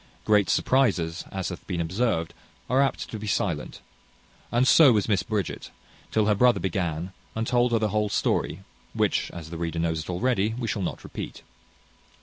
Great surprizes, as hath been observed, are apt to be silent; and so was Miss Bridget, till her brother began, and told her the whole story, which, as the reader knows it already, we shall not repeat.